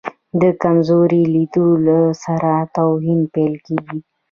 د کمزوري لیدلو سره توهین پیل کېږي.